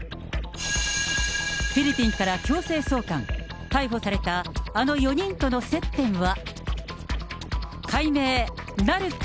フィリピンから強制送還、逮捕されたあの４人との接点は。